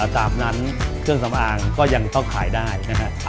ตามนั้นเครื่องสำอางก็ยังต้องขายได้นะครับ